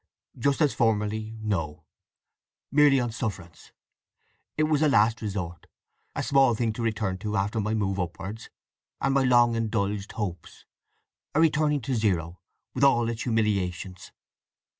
"Just as formerly, no. Merely on sufferance. It was a last resource—a small thing to return to after my move upwards, and my long indulged hopes—a returning to zero, with all its humiliations.